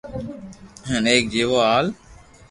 ھين ايڪ جيوہ ھال